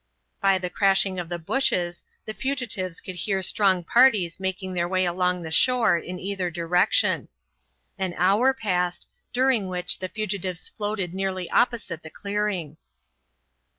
By the crashing of the bushes the fugitives could hear strong parties making their way along the shore in either direction. An hour passed, during which the fugitives floated nearly opposite the clearing.